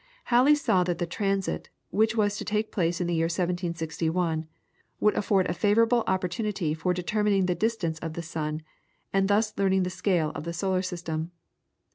Halley saw that the transit, which was to take place in the year 1761, would afford a favourable opportunity for determining the distance of the sun, and thus learning the scale of the solar system.